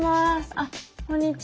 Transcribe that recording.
あっこんにちは。